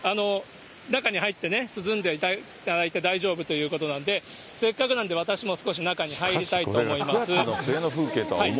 中に入ってね、涼んでいただいて大丈夫ということなんで、せっかくなんで、私も少し中に入りたいと思います。